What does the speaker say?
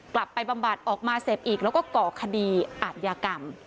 บำบัดออกมาเสพอีกแล้วก็ก่อคดีอาทยากรรม